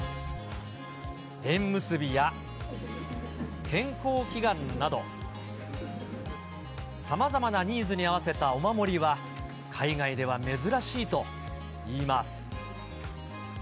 縁結びや、健康祈願など、さまざまなニーズに合わせたお守りは、海外では珍しいといいます。